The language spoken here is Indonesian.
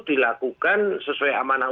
dilakukan sesuai amanah